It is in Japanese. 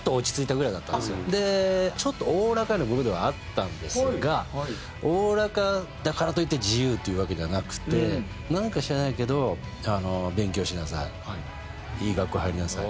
でちょっと大らかなムードがあったんですが大らかだからといって自由というわけではなくてなんか知らないけど「勉強しなさい」「いい学校入りなさい」。